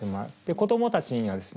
子どもたちにはですね